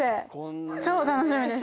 超楽しみでした。